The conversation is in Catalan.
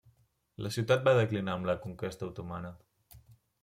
La ciutat va declinar amb la conquesta otomana.